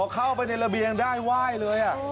เข้าไปในระเบียงได้ไหว้เลย